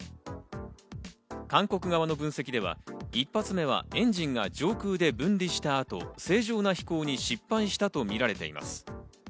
韓国側の分析では１発目はエンジンが上空で分離した後、正常な飛行に失敗したとみられています。